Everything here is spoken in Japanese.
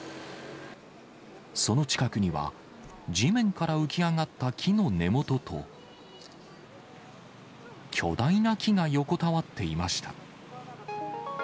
その近くには、地面から浮き上がった木の根元と、巨大な木が横たわっていました。